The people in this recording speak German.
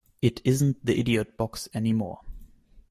It isn't the idiot box anymore"".